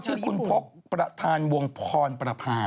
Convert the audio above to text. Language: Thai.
ก็ชื่อคุณพล็กประธานวงพรปรภา